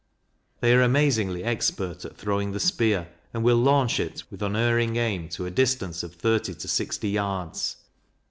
They are amazingly expert at throwing the spear, and will launch it with unerring aim to a distance of thirty to sixty yards.